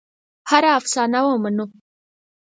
هره افسانه ومنو.